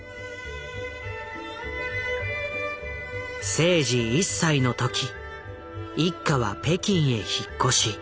征爾１歳の時一家は北京へ引っ越し。